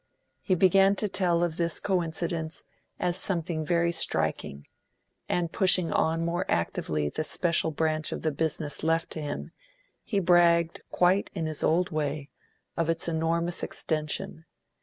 He began to tell of this coincidence as something very striking; and pushing on more actively the special branch of the business left to him, he bragged, quite in his old way, of its enormous extension.